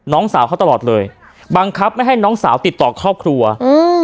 น้องสาวเขาตลอดเลยบังคับไม่ให้น้องสาวติดต่อครอบครัวอืม